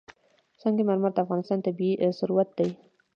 سنگ مرمر د افغانستان طبعي ثروت دی.